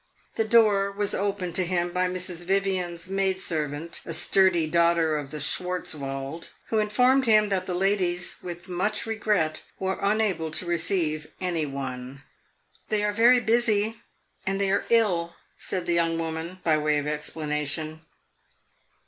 The door was opened to him by Mrs. Vivian's maid servant, a sturdy daughter of the Schwartzwald, who informed him that the ladies with much regret were unable to receive any one. "They are very busy and they are ill," said the young woman, by way of explanation.